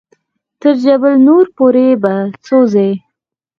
تر جبل نور پورې په څو ځې.